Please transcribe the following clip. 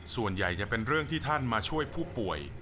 ส่วนใหญ่จะเป็นเรื่องที่ท่านมาช่วยผู้ป่วย